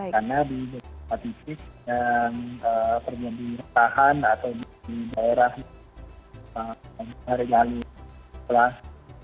karena di tempat fisik yang terjadi retahan atau di daerah yang terjadi halus